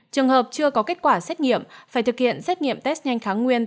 trường hợp chưa có kết quả xét nghiệm phải thực hiện xét nghiệm test nhanh kháng nguyên